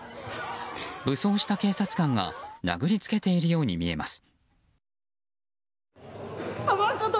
武装した警察官が殴りつけているように見えます。